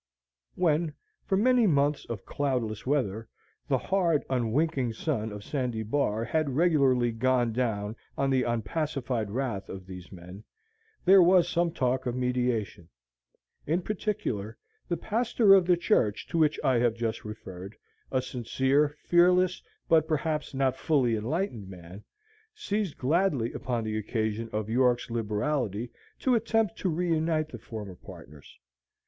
When, for many months of cloudless weather, the hard, unwinking sun of Sandy Bar had regularly gone down on the unpacified wrath of these men, there was some talk of mediation. In particular, the pastor of the church to which I have just referred a sincere, fearless, but perhaps not fully enlightened man seized gladly upon the occasion of York's liberality to attempt to reunite the former partners.